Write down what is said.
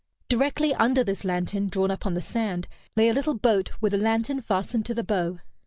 Directly under this lantern, drawn up on the sand, lay a little boat with a lantern fastened to the bow.